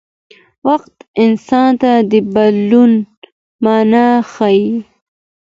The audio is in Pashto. وخت انسان ته د بدلون مانا ښيي.